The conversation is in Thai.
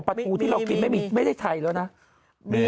ปลาทูที่เรากินไม่ได้ไทยแหละนะ